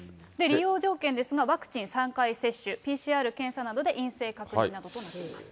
利用条件ですが、ワクチン３回接種、ＰＣＲ検査などで陰性確認などとなっています。